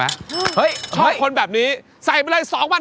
เฮ้ยชอบคนแบบนี้ใส่ไปเลย๒๕๐๐บาท